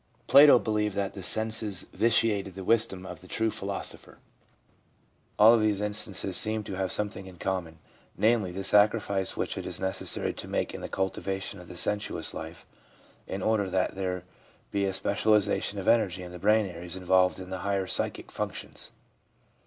Plato believed that the senses vitiated the wisdom of the true philosopher. All of these instances seem to have some thing in common, namely, the sacrifice which it is neces sary to make in the cultivation of the sensuous life, in order that there may be a specialisation of energy in the brain areas involved in the higher psychic functions.